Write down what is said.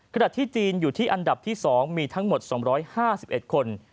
ขณะที่จีนอยู่ที่อันดับที่๒มีทั้งหมด๒๕๑คน